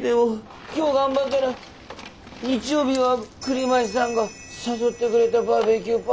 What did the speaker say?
でも今日頑張ったら日曜日は栗林さんが誘ってくれたバーベキューパーティーだ。